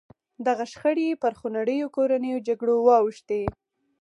دغه شخړې پر خونړیو کورنیو جګړو واوښتې.